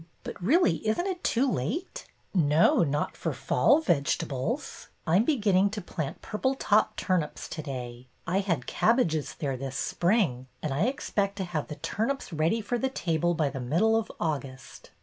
But, really, is n't it too late ?"'' No, not for fall vegetables. I 'm beginning to plant purple top turnips to day. I had cab bages there this spring, and I expect to have the turnips ready for the table by the middle of August.